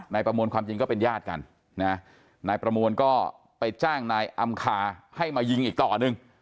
นายประมวลความจริงก็เป็นญาติกันนะนายประมวลก็ไปจ้างนายอำคาให้มายิงอีกต่อหนึ่ง